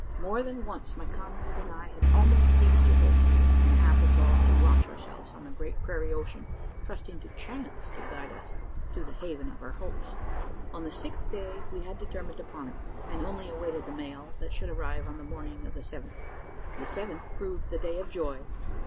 More than once my comrade and I had almost ceased to hope; and half resolved to launch ourselves on the great prairie ocean trusting to chance to guide us to the haven of our hopes. On the sixth day we had determined upon it; and only awaited the mail, that should arrive on the morning of the seventh. The seventh proved the day of joy.